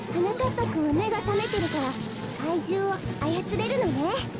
ぱくんはめがさめてるからかいじゅうをあやつれるのね。